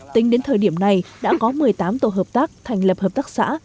tính đến thời điểm này đã có một mươi tám tổ hợp tác thành lập hợp tác xã